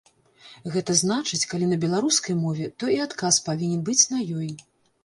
Гэта значыць, калі на беларускай мове, то і адказ павінен быць на ёй.